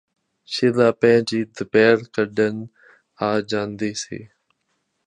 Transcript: ਸ਼ੀਲਾ ਭੈਣ ਜੀ ਦੁਪਿਹਰਾ ਕੱਟਣ ਆ ਜਾਂਦੀ ਸੀ